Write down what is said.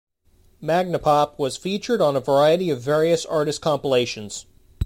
Magnapop was featured on a variety of various artist compilations.